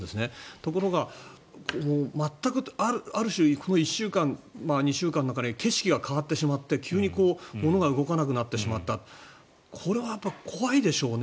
ところが、全くある種、この１週間２週間の中で景色が変わってしまって急に物が動かなくなってしまったこれは怖いでしょうね。